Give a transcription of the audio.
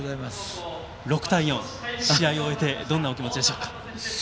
６対４、試合を終えてどんなお気持ちでしょうか？